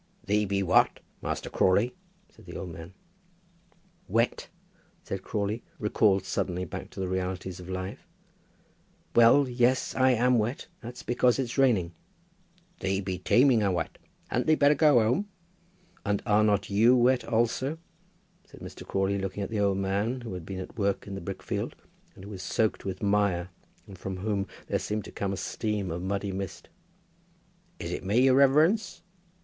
"Thee be wat, Master Crawley," said the old man. "Wet!" said Crawley, recalled suddenly back to the realities of life. "Well, yes. I am wet. That's because it's raining." "Thee be teeming o' wat. Hadn't thee better go whome?" "And are not you wet also?" said Mr. Crawley, looking at the old man, who had been at work in the brickfield, and who was soaked with mire, and from whom there seemed to come a steam of muddy mist. "Is it me, yer reverence?